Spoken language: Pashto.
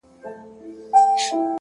• بوراګلي تر انګاره چي رانه سې ,